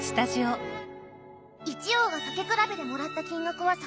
一葉が「たけくらべ」でもらった金額は３０万円ほど。